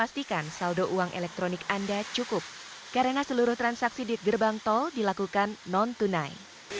pastikan saldo uang elektronik anda cukup karena seluruh transaksi di gerbang tol dilakukan non tunai